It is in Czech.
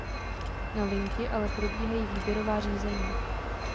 Na linky ale probíhají výběrová řízení.